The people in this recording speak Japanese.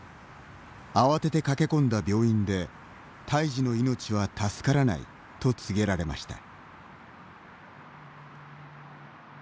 慌てて駆け込んだ病院で胎児の命は助からないと告げられました。